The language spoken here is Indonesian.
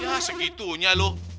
ya segitunya loh